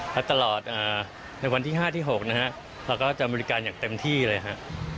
และตลอดในวันที่๕ที่๖นะครับเราก็จะอำนวยการอย่างเต็มที่เลยครับ